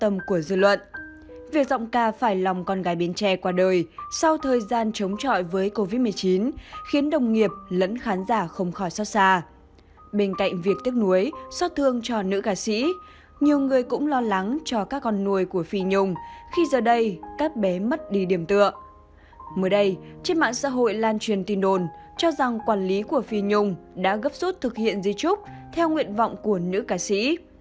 mới đây trên mạng xã hội lan truyền tin đồn cho rằng quản lý của phi nhung đã gấp rút thực hiện di trúc theo nguyện vọng của nữ ca sĩ